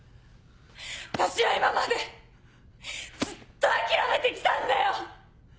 私は今までずっと諦めて来たんだよ！